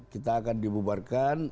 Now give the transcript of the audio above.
kita akan dibubarkan